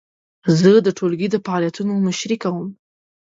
زه د ټولګي د فعالیتونو مشري کوم.